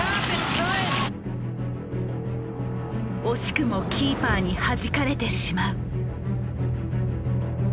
惜しくもキーパーにはじかれてしまう。